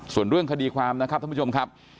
ส่วนเรื่องคดีความนะครับท่านผู้ชมครับ